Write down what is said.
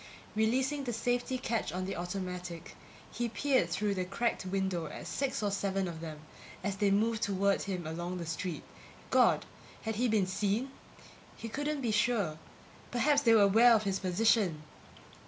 Releasing the safety catch on the automatic, he peered through the cracked window at six or seven of them, as they moved toward him along the street. God! Had he been seen? He couldn't be sure. Perhaps they were aware of his position!